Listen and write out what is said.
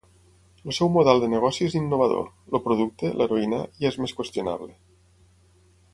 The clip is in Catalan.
El seu model de negoci és innovador; el producte, l'heroïna, ja és més qüestionable.